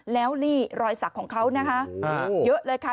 แล้วนี่รอยสักของเขานะคะเยอะเลยค่ะ